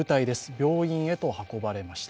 病院へと運ばれました。